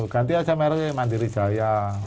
ganti aja mere mandiri jaya